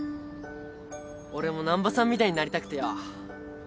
俺も難破さんみたいになりたくてよ。